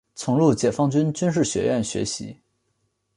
曾入解放军军事学院学习。